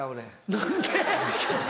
何で？